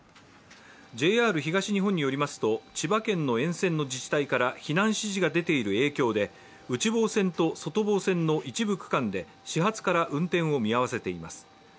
ＪＲ東日本によりますと千葉県の沿線の自治体から避難指示が出ている影響で内房線と外房線の一部区間で始発から運転を見合わせています。